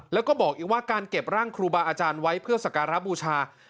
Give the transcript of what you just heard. แล้วก็บอกอีกว่าการเก็บร่างครูบาอาจารย์ไว้เพื่อสการะบูชา